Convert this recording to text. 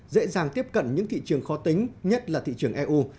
dễ dàng tiếp cận những thị trường khó tính nhất là thị trường eu